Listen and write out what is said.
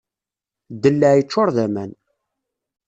Ddellaɛ yeččur d aman.